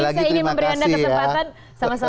saya ingin memberi anda kesempatan